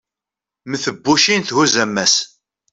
mm tebbucin thuzz ammas